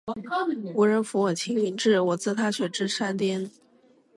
无人扶我青云志，我自踏雪至山巅。